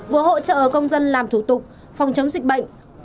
vừa hỗ trợ công dân làm thủ tục phòng chống dịch bệnh